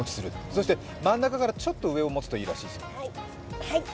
そして真ん中からちょっと上を持つといいらしいですよ。